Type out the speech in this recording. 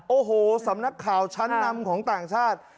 โอ้โหสำนักข่าวชั้นนำของต่างชาติ